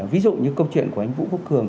ví dụ như câu chuyện của anh vũ quốc cường